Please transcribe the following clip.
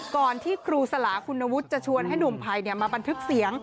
ที่ครูสลาคุณวุฒิจะชวนให้หนุ่มภัยมาบันทึกเสียง